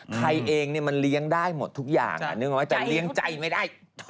ใครเองมันเลี้ยงได้หมดทุกอย่างนึกว่าจะเลี้ยงใจไม่ได้